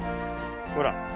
ほら。